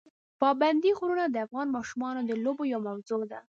پابندي غرونه د افغان ماشومانو د لوبو یوه موضوع ده.